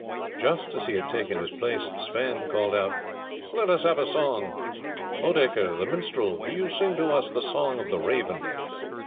Just as he had taken his place, Sweyn called out: "Let us have a song. Odoacre the minstrel, do you sing to us the song of the Raven."